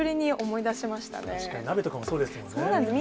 確かに、鍋とかもそうですもそうなんです。